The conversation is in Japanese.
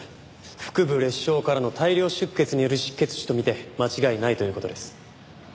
腹部裂傷からの大量出血による失血死と見て間違いないという事です。